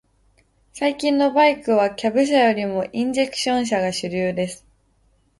最近のバイクは、キャブ車よりもインジェクション車が主流です。